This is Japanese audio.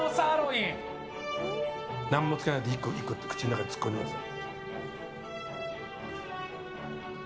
何もつけないで１個、口の中に突っ込んでください。